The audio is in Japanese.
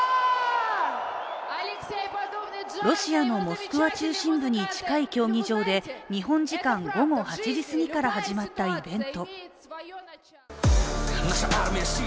ロシアのモスクワ中心部に近い競技場で日本時間午後８時すぎから始まったイベント。